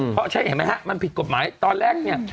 เพราะใช่เห็นไหมฮะมันผิดกฎหมายตอนแรกเนี่ย